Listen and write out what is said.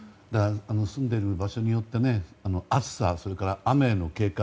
住んでる場所によって暑さ雨への警戒